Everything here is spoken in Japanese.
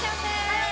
はい！